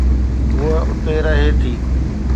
هوءَ اتي رهي ٿي.